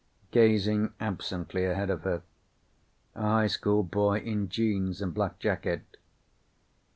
Gazing absently ahead of her. A high school boy in jeans and black jacket.